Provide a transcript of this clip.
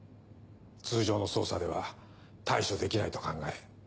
通常の捜査では対処できないと考え